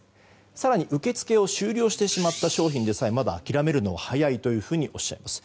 更に受け付けを終了してしまった商品でさえ、まだ諦めるのは早いとおっしゃいます。